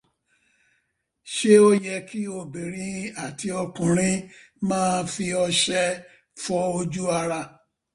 Ṣé ó yẹ kí obìnrin àti ọkùnrin máa fi ọ̀sẹ̀ fọ ojú ara?